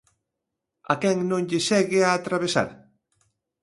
A quen non lle segue a atravesar?